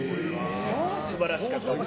すばらしかった。